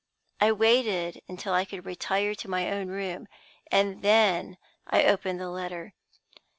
I waited until I could retire to my own room, and then I opened the letter.